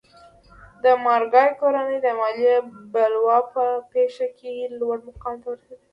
د مارګای کورنۍ د مالیې بلوا په پېښه کې لوړ مقام ته ورسېده.